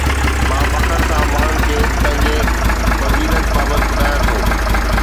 مان فخر سان ماڻهن کي پنهنجي فضيلت بابت ٻڌايان ٿو